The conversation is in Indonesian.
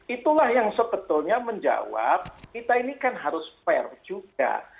itulah yang sebetulnya menjawab kita ini kan harus fair juga